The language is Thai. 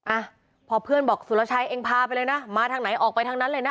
อ่ะพอเพื่อนบอกสุรชัยเองพาไปเลยนะมาทางไหนออกไปทางนั้นเลยนะ